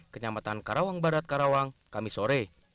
kenyamatan karawang barat karawang kamisore